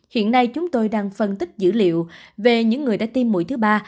hiện nay chúng tôi đang phân tích dữ liệu về những người đã tiêm mũi thứ ba